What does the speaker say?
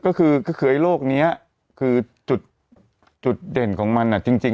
ก็คือไอ้โลกนี้คือจุดเด่นของมันจริง